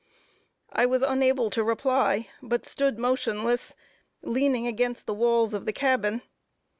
I was unable to reply, but stood motionless, leaning against the walls of the cabin.